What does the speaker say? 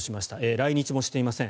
来日もしていません。